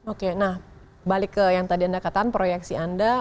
oke nah balik ke yang tadi anda katakan proyeksi anda